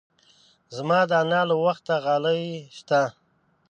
زما د انا له وخته غالۍ شته.